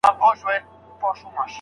نن دي واری د عمل دی قدم اخله روانېږه